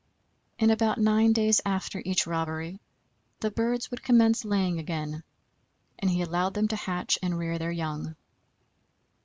In about nine days after each robbery the birds would commence laying again, and he allowed them to hatch and rear their young.